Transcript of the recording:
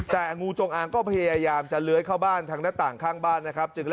แต่งูจงอางก็พยายามจะเลื้อยเข้าบ้านทางหน้าต่างข้างบ้านนะครับ